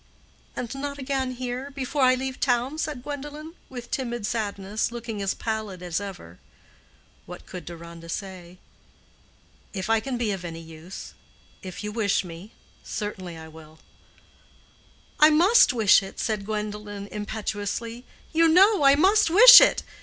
"And not again here, before I leave town?" said Gwendolen, with timid sadness, looking as pallid as ever. What could Deronda say? "If I can be of any use—if you wish me—certainly I will." "I must wish it," said Gwendolen, impetuously; "you know I must wish it.